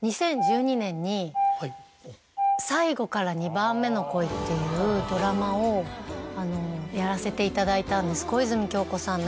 ２０１２年に『最後から二番目の恋』っていうドラマをやらせていただいたんです小泉今日子さん